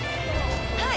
はい。